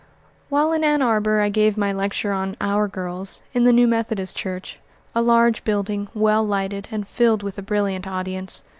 While in Ann Arbor I gave my lecture on "Our Girls" in the new Methodist church a large building, well lighted, and filled with a brilliant audience.